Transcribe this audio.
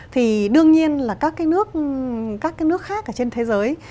thì đương nhiên là các nước khác trên thế giới